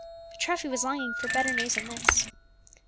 But Treffy was longing for better news than this.